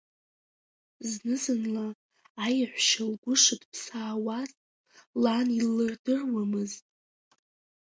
Зны-зынла аеҳәшьа лгәы шынҭԥсаауаз лан иллырдыруамызт.